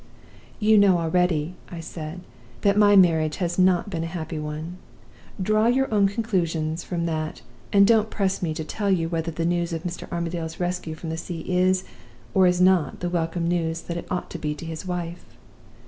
"'You know already,' I said, 'that my marriage has not been a happy one. Draw your own conclusions from that; and don't press me to tell you whether the news of Mr. Armadale's rescue from the sea is, or is not, the welcome news that it ought to be to his wife!